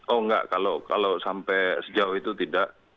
oh enggak kalau sampai sejauh itu tidak